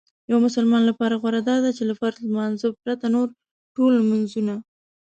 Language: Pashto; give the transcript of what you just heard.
یو مسلمان لپاره غوره داده چې له فرض لمانځه پرته نور ټول لمنځونه